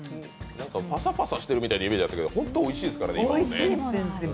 何かパサパサしてるみたいなイメージあったけど、おいしいですもんね。